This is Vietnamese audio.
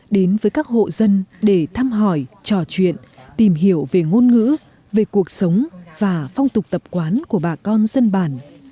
đến với các hộ dân để thăm hỏi trò chuyện tìm hiểu về ngôn ngữ về cuộc sống và phong tục tập quán của bà con dân bản